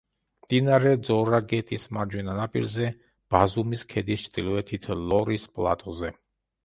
მდინარე ძორაგეტის მარჯვენა ნაპირზე ბაზუმის ქედის ჩრდილოეთით ლორის პლატოზე.